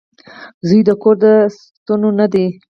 • زوی د کور د ستنو نه دی.